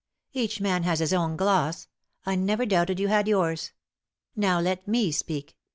"Each man has his own gloss; I never doubted you had yours. Now let me speak.